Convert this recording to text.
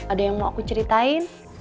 ada yang mau aku ceritain